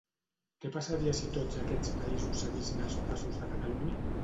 Què passaria si tots aquests països seguissin els passos de Catalunya?